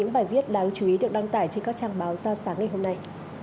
bài viết đáng chú ý được đăng tải trên các trang báo ra sáng ngày hôm nay